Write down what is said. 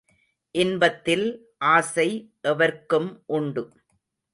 இன்பத்தில் ஆசை எவர்க்கும் உண்டு.